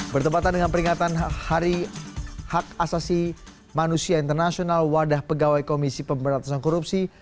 bertempatan dengan peringatan hari hak asasi manusia internasional wadah pegawai komisi pemberantasan korupsi